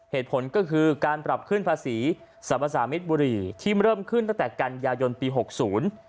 เหตุผลก็คือการปรับขึ้นภาษีสรรพสามิตรบุรีที่เริ่มขึ้นตั้งแต่กันยายนปีหกศูนย์